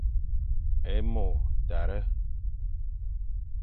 Ê mo tare.